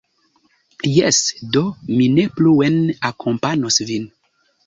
Jes, do mi ne pluen akompanos vin.